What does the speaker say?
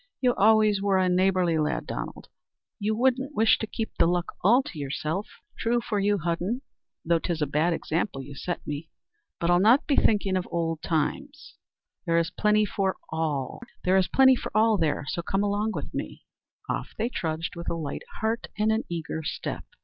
You always were a neighbourly lad, Donald. You wouldn't wish to keep the luck all to yourself?" "True for you, Hudden, though 'tis a bad example you set me. But I'll not be thinking of old times. There is plenty for all there, so come along with me." Off they trudged, with a light heart and an eager step.